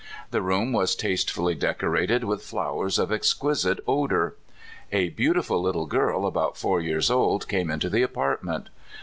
The room was tastefully decorated with flowers of exquisite odor. A beau tiful little girl about four years old came into the apartment.